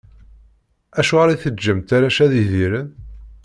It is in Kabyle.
Acuɣer i teǧǧamt arrac ad idiren?